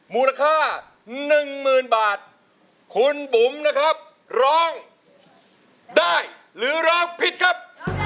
มูลค่า๑๐๐๐บาทคุณบุ๋มนะครับร้องได้หรือร้องผิดครับ